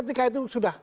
ketika itu sudah